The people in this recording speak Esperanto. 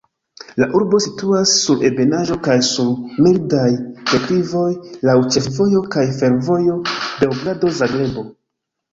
La urbo situas sur ebenaĵo kaj sur mildaj deklivoj, laŭ ĉefvojo kaj fervojo Beogrado-Zagrebo.